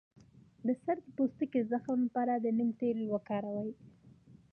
د سر د پوستکي د زخم لپاره د نیم تېل وکاروئ